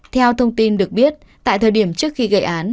theo thông tin được biết tại thời điểm trước khi gây án